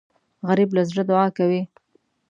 غریب له زړه دعا کوي